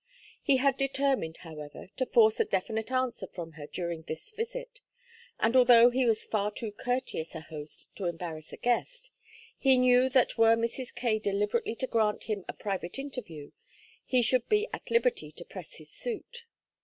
He had determined, however, to force a definite answer from her during this visit, and although he was far too courteous a host to embarrass a guest, he knew that were Mrs. Kaye deliberately to grant him a private interview he should be at liberty to press his suit.